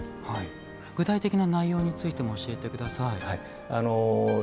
具体的な内容についても教えてください。